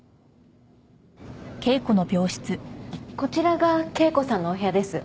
こちらが圭子さんのお部屋です。